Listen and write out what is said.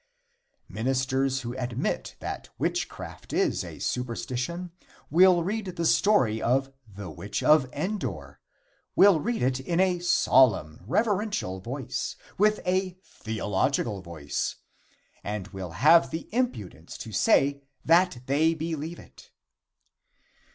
Ministers who admit that witchcraft is a superstition will read the story of the Witch of Endor will read it in a solemn, reverential voice with a theological voice and will have the impudence to say that they believe it.